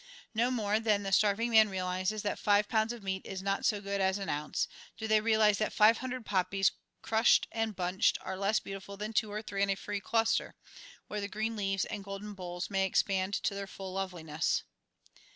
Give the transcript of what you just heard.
No more than the starving man realizes that five pounds of meat is not so good as an ounce, do they realize that five hundred poppies crushed and bunched are less beautiful than two or three in a free cluster, where the green leaves and golden bowls may expand to their full loveliness.